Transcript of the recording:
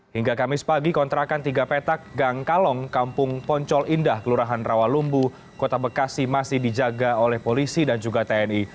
hingga kamis pagi kontrakan tiga petak gang kalong kampung poncol indah kelurahan rawalumbu kota bekasi masih dijaga oleh polisi dan juga tni